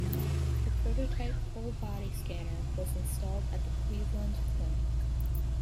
A prototype whole body scanner was installed at the Cleveland Clinic.